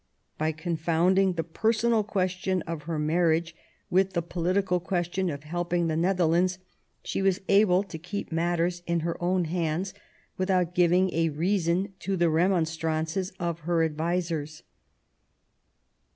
By confounding the personal question of her marriage with the political question of helping the Netherlands she was able to keep matters in her own hands with out giving a reason to the remonstrances of her advisers.